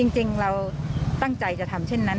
จริงเราตั้งใจจะทำเช่นนั้น